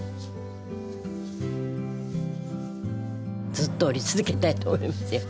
ずっと織り続けたいと思いますよ